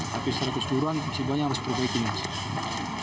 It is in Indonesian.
tapi secara keseluruhan misalnya harus perbaikin